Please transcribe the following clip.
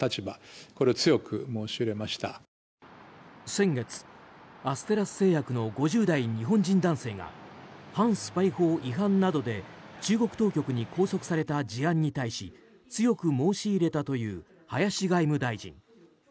先月、アステラス製薬の５０代日本人男性が反スパイ法違反などで中国当局に拘束された事案に対し強く申し入れたという林外務大臣。